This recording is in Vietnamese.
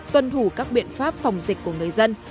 tuân thủ các biện pháp phòng dịch của người dân